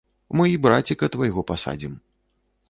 Мы і браціка твайго пасадзім.